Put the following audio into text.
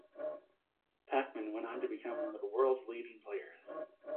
Pachman went on to become one of the world's leading players.